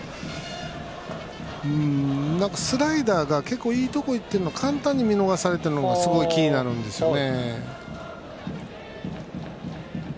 スライダーが結構いいところに行っているのを簡単に見逃されてるのがすごく気になるんですよね。